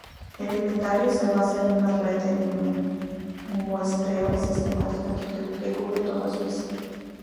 El inventario se basa en una red de muestreo sistemática que cubre toda Suiza.